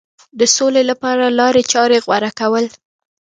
د سولې لپاره لارې چارې غوره کول.